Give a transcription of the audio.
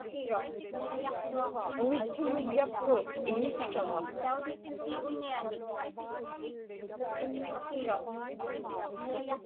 Unitchuŋiḷḷapku unitchaġa.